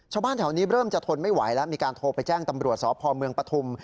ชาวบ้านแถวนี้เริ่มจะทนไม่ไหวแล้วมีการโทรไปแจ้งตำรวจสพเมืองปฐุม